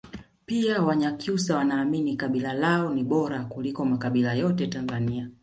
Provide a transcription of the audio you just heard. pia wanyakyusa Wanaamini kabila lao ni bora kuliko makabila yote Tanzania